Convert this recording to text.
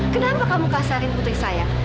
kenapa kamu kasarin putri saya